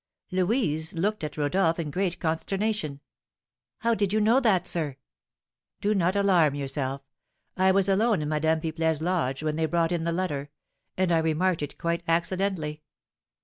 Louise looked at Rodolph in great consternation. "How did you know that, sir?" "Do not alarm yourself; I was alone in Madame Pipelet's lodge when they brought in the letter; and I remarked it quite accidentally."